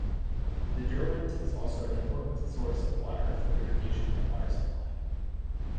The Derwent is also an important source of water for irrigation and water supply.